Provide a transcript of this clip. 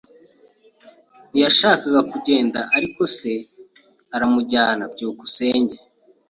Ntiyashakaga kugenda, ariko se aramujyana. byukusenge